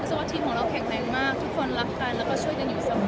ว่าทีมของเราแข็งแรงมากทุกคนรักกันแล้วก็ช่วยกันอยู่เสมอ